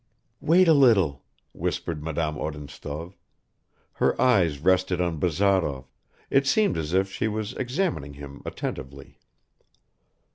"Wait a little," whispered Madame Odintsov. Her eyes rested on Bazarov; it seemed as if she was examining him attentively.